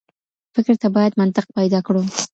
فکر ته بايد منطق پيدا کړو.